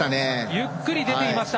ゆっくり出ていました。